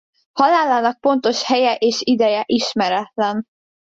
Halálának pontos helye és ideje ismeretlen.